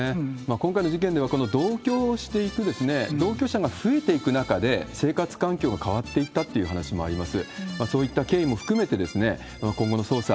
今回の事件では、同居をしていく、同居者が増えていく中で生活環境が変わっていったっていう話もあります。